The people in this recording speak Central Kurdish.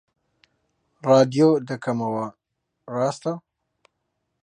ڕادیۆ دەکەمەوە، ڕاستە